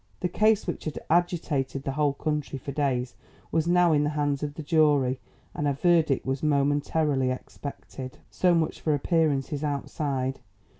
The case which had agitated the whole country for days was now in the hands of the jury and a verdict was momentarily expected. So much for appearances outside.